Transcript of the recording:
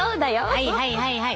はいはいはいはい。